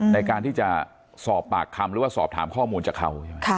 ในการที่จะสอบปากคำหรือว่าสอบถามข้อมูลจากเขาใช่ไหม